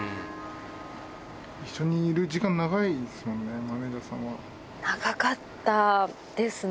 一緒にいる時間長いですもん長かったですね。